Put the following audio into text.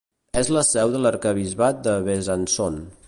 És la seu de l'Arquebisbat de Besançon.